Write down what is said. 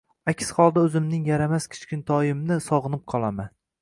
Aks holda o`zimning yaramas kichkintoyimni sog`inib qolaman